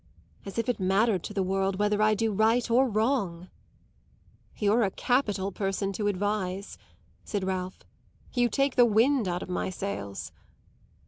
As if it mattered to the world whether I do right or wrong!" "You're a capital person to advise," said Ralph; "you take the wind out of my sails!"